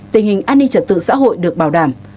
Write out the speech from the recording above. tình hình an ninh trật tự xã hội được bảo đảm